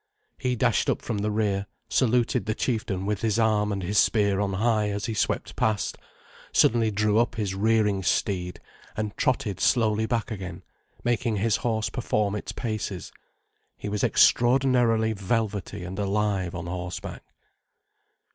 He dashed up from the rear, saluted the chieftain with his arm and his spear on high as he swept past, suddenly drew up his rearing steed, and trotted slowly back again, making his horse perform its paces. He was extraordinarily velvety and alive on horseback.